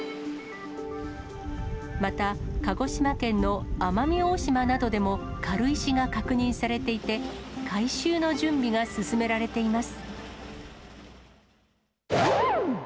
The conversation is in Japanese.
また、鹿児島県の奄美大島などでも軽石が確認されていて、回収の準備が進められています。